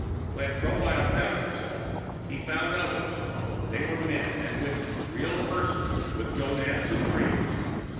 When Tropile found himself, he found others. They were men and women, real persons with gonads and dreams.